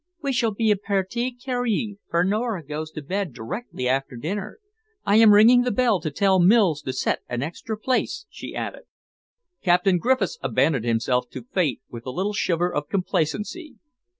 We shall be a partie carríe, for Nora goes to bed directly after dinner. I am ringing the bell to tell Mills to set an extra place," she added. Captain Griffiths abandoned himself to fate with a little shiver of complacency.